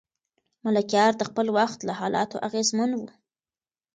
ملکیار د خپل وخت له حالاتو اغېزمن و.